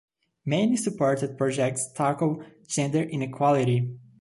Many supported projects tackle gender inequality.